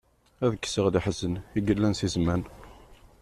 Ad kkseɣ leḥzen, i yella si zzman.